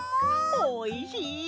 おいしい！